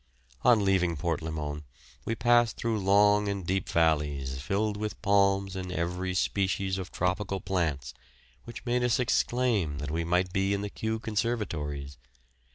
On leaving Port Limon we passed through long and deep valleys filled with palms and every species of tropical plants, which made us exclaim that we might be in the Kew conservatories.